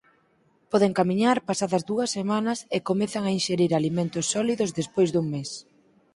Poden camiñar pasadas dúas semanas e comenzan a inxerir alimentos sólidos despois dun mes.